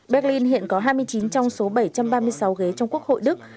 berlin hiện có hai mươi chín trong số bảy trăm ba mươi sáu ghế trong quốc hội đức